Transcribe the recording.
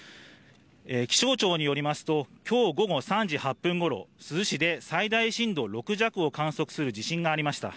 気象庁によりますと、きょう午後３時８分ごろ、珠洲市で最大震度６弱を観測する地震がありました。